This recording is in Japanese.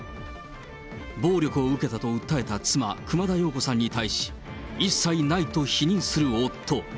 暴力を受けたと訴えた妻、熊田曜子さんに対し、一切ないと否認する夫。